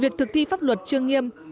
việc thực thi pháp luật chưa nghiêm